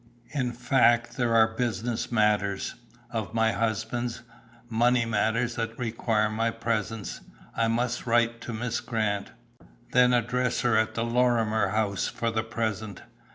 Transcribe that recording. In fact there are business matters, of my husband's, money matters that require my presence. I must write to Miss Grant." "Then address her at the Loremer House for the present.